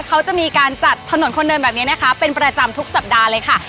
เขาจะมีการจัดถนนคนเดินแบบนี้นะคะเป็นประจำทุกสัปดาห์เลยค่ะ